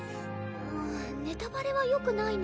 うんネタバレはよくないね。